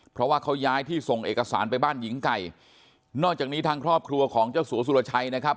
เพราะว่าเขาย้ายที่ส่งเอกสารไปบ้านหญิงไก่นอกจากนี้ทางครอบครัวของเจ้าสัวสุรชัยนะครับ